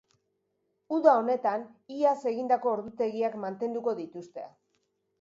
Uda honetan, iaz egindako ordutegiak mantenduko dituzte.